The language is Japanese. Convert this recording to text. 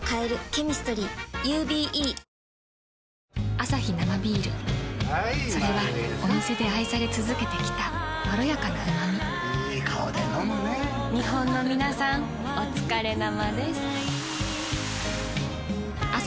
アサヒ生ビールそれはお店で愛され続けてきたいい顔で飲むね日本のみなさんおつかれ生です。